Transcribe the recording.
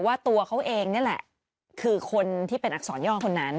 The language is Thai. ว่าตัวเขาเองนี่แหละคือคนที่เป็นอักษรย่อคนนั้น